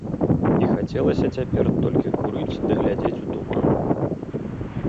І хацелася цяпер толькі курыць ды глядзець у туман.